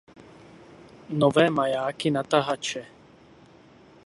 Nové majáky na tahače.